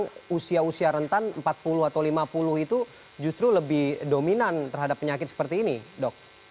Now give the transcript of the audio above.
kemudian usia usia rentan empat puluh atau lima puluh itu justru lebih dominan terhadap penyakit seperti ini dok